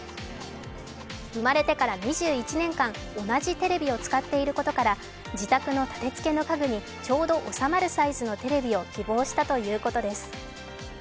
生まれてから２１年間、同じテレビを使っていることから自宅の建て付けの家具にちょうど収まるサイズのテレビを希望したということです。